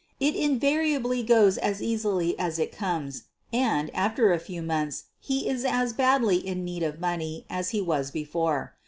It invariably goes as easily as it comes, and, after a few months, he is as badly in need of money as he was before.